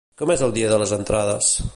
Com és el dia de les entrades?